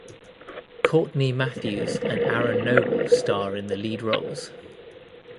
Courtney Mathews and Aaron Noble star in the lead roles.